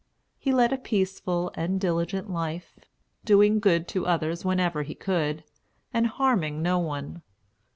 He led a peaceful and diligent life, doing good to others whenever he could, and harming no one.